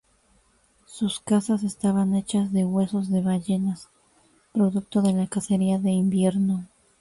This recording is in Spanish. Sus casas estaban hechas de huesos de ballenas, producto de la cacería de invierno.